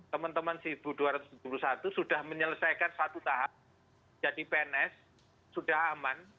teman teman seribu dua ratus tujuh puluh satu sudah menyelesaikan satu tahap jadi pns sudah aman